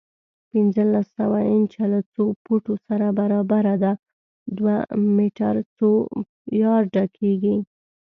پنځلس سوه انچه له څو فوټو سره برابره ده؟ دوه میټر څو یارډه کېږي؟